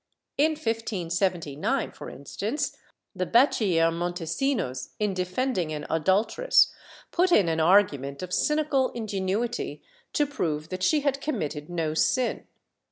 In 1579, for in stance, the Bachiller Montesinos, in defending an adultress, put in an argument of cynical ingenuity to prove that she had committed no sin.